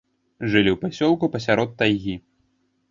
Жылі ў пасёлку, пасярод тайгі.